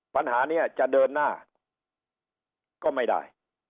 ปัญหานี้จะเดินหน้าก็ไม่ได้